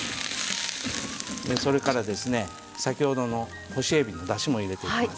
それから先ほどの干しえびのだしも入れていきます。